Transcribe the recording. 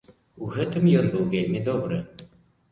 У гэтым ён быў вельмі добры.